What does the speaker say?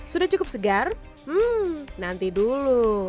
sudah cukup segar hmm nanti dulu